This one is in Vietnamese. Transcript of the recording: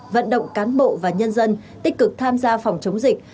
vận động cán bộ và nhân dân tích cực tham gia phòng chống dịch